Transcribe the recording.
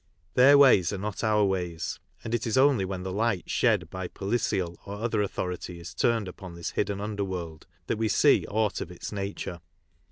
Their ways are not our ways, and it is only when the light shed by policial or other autho rity is turned upon this hidden under world that we see aught of its nature.